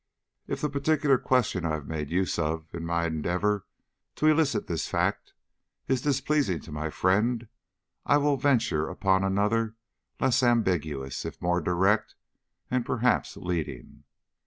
If the particular question I have made use of, in my endeavor to elicit this fact, is displeasing to my friend, I will venture upon another less ambiguous, if more direct and perhaps leading."